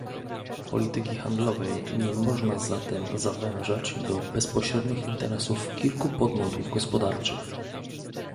Polityki handlowej nie można zatem zawężać do bezpośrednich interesów kilku podmiotów gospodarczych